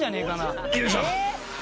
よいしょ。